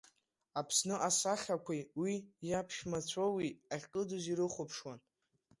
Аԥсны асахьақәеи уи иаԥшәмацәоуи ахькыдыз ирыхәаԥшуан.